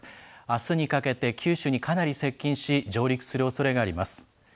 あすにかけて九州にかなり接近し、上陸するおそれがあります。